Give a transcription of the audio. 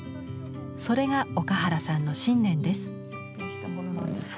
それが岡原さんの信念です。